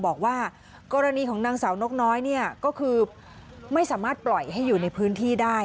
บอกว่ากรณีของนางสาวนกน้อยเนี่ยก็คือไม่สามารถปล่อยให้อยู่ในพื้นที่ได้